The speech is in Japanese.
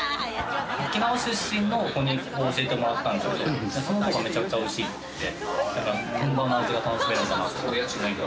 沖縄出身の子にここ教えてもらったんですけれども、その子がめちゃくちゃおいしいって本場の味が楽しめるのかなって。